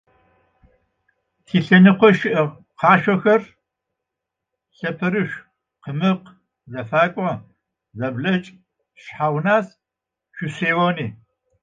Тилъэныкъо шыӏэ къашъохэр лъэпэрышъу, къымыкъ, зэфакӏо, зэблэкӏ, шъхьэгъунас, шъусеони.